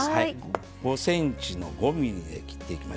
５ｃｍの５ｍｍで切っていきましょう。